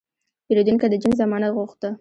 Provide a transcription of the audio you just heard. پیرودونکی د جنس ضمانت وغوښته.